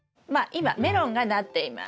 今メロンがなっています。